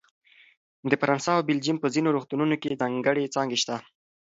د فرانسه او بلجیم په ځینو روغتونونو کې ځانګړې څانګې شته.